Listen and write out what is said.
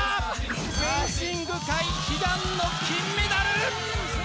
フェンシング界、悲願の金メダル。